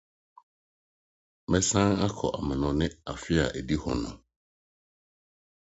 Mɛsan akɔ amannɔne afe a edi hɔ no.